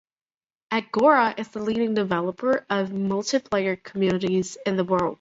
Agora is the leading developer of multi-player communities in the world.